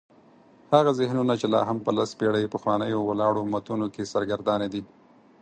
هغه ذهنونه چې لا هم په لس پېړۍ پخوانیو ولاړو متونو کې سرګردانه دي.